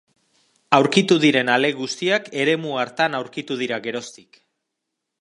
Aurkitu diren ale guztiak eremu hartan aurkitu dira geroztik.